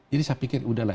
jadi saya pikir udahlah